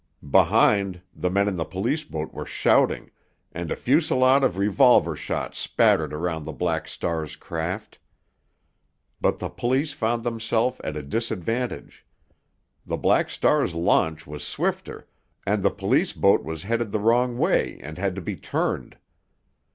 Behind, the men in the police boat were shouting, and a fusillade of revolver shots spattered around the Black Star's craft. But the police found themselves at a disadvantage. The Black Star's launch was swifter, and the police boat was headed the wrong way and had to be turned.